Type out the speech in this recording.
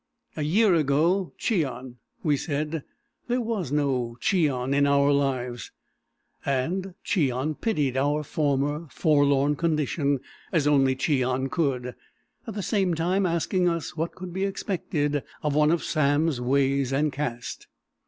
"A year ago, Cheon," we said "there was no Cheon in our lives," and Cheon pitied our former forlorn condition as only Cheon could, at the same time asking us what could be expected of one of Sam's ways and caste.